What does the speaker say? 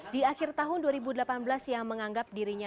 di akhir tahun dua ribu delapan belas yang menganggap dirinya